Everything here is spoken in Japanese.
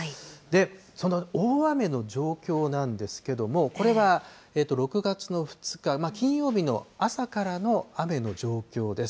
その大雨の状況なんですけども、これは６月の２日金曜日の朝からの雨の状況です。